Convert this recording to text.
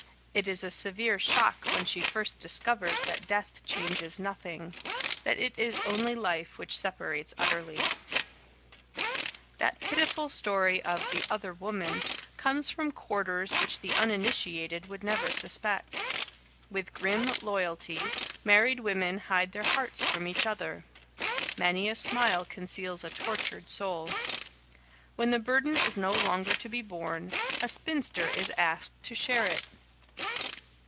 It is a severe shock when she first discovers that death changes nothing; that it is only life which separates utterly. [Sidenote: That Pitiful Story] That pitiful story of "the other woman" comes from quarters which the uninitiated would never suspect. With grim loyalty, married women hide their hearts from each other. Many a smile conceals a tortured soul. When the burden is no longer to be borne, a spinster is asked to share it.